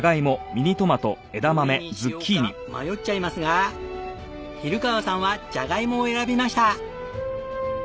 どれにしようか迷っちゃいますが比留川さんはジャガイモを選びました！